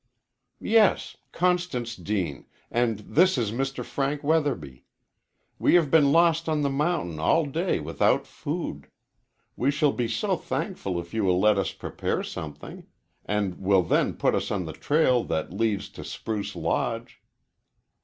"Yes, Constance Deane, and this is Mr. Frank Weatherby. We have been lost on the mountain all day without food. We shall be so thankful if you will let us prepare something, and will then put us on the trail that leads to Spruce Lodge."